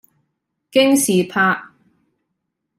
京士柏